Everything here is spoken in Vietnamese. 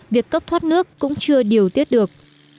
việc cấp thoát nước cũng chưa điều tiết được